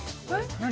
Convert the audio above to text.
・何？